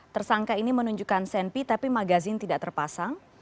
tersangka ini menunjukkan senpi tapi magazin tidak terpasang